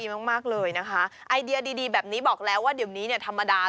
มากเลยนะคะไอเดียดีดีแบบนี้บอกแล้วว่าเดี๋ยวนี้เนี่ยธรรมดา